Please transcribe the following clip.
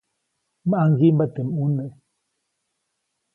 ʼMaŋgiʼmba teʼ ʼmune.